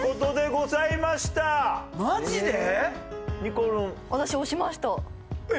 マジで？